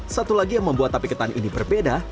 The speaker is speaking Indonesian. satu lagi yang membuat tape ketan ini berbeda